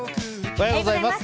おはようございます。